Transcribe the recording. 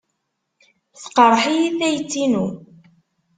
Teqreḥ-iyi tayet-inu.